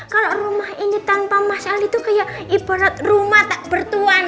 kalau rumah ini tanpa masalah itu kayak ibarat rumah tak bertuan